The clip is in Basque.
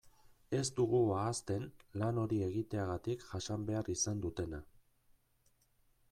Ez dugu ahazten lan hori egiteagatik jasan behar izan dutena.